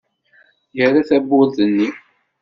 Yerra tawwurt-nni.